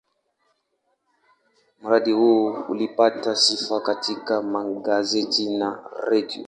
Mradi huu ulipata sifa katika magazeti na redio.